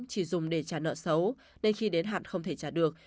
chỉ dùng để trả nợ xấu nên khi đến hạn không thể trả được